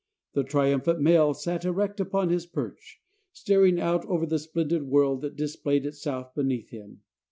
The triumphant male sat erect upon his perch, staring out over the splendid world that displayed itself beneath him.